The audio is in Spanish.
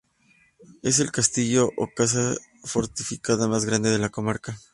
Es el castillo o casa fortificada más grande de la comarca.